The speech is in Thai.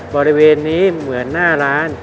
บริเวณนี้เหมือนหน้าร้าน